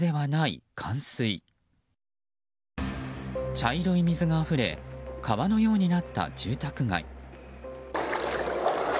茶色い水があふれ川のようになった住宅街。